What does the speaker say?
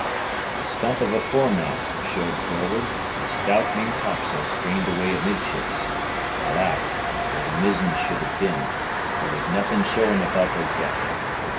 The stump of a foremast showed forward and a stout maintopsail strained away amidships, while aft, where the mizzen should have been, there was nothing showing above her deck.